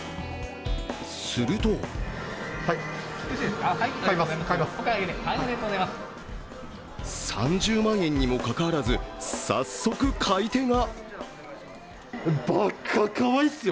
すると３０万円にもかかわらず、早速買い手が。